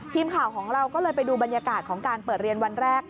ทีมข่าวของเราก็เลยไปดูบรรยากาศของการเปิดเรียนวันแรก